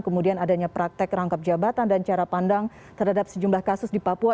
kemudian adanya praktek rangkap jabatan dan cara pandang terhadap sejumlah kasus di papua